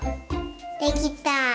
できた！